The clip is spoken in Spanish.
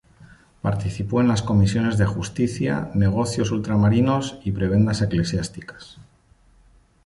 Participó en las comisiones de Justicia, Negocios Ultramarinos y Prebendas Eclesiásticas.